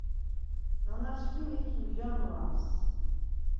Nanaşkimik mja nuyams.